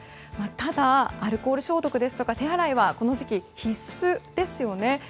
ただ、アルコール消毒ですとか手洗いはこの時期必須ですよね。